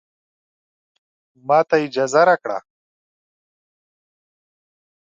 ماته اجازه راکړه